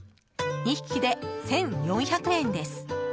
２匹で１４００円です。